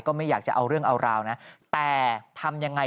ไม่อยากจะเอาเรื่องเอาราวนะแต่ทำยังไง